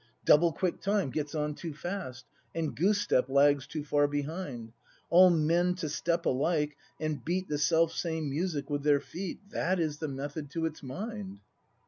Double quick time gets on too fast. And goose step lags too far behind; All men to step alike, and beat The selfsame music with their feet. That is the method to its mind!